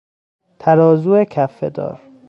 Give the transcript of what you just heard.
ترازو کفهدار